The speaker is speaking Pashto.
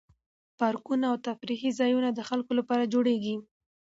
پارکونه او تفریح ځایونه د خلکو لپاره جوړیږي.